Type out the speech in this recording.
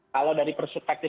kalau dari perspektif